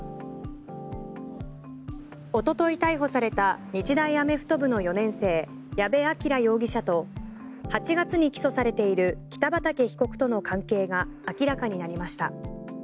おととい逮捕された日大アメフト部の４年生矢部鑑羅容疑者と８月に起訴されている北畠被告との関係が明らかになりました。